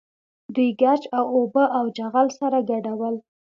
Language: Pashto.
دوی ګچ او اوبه او چغل سره ګډول.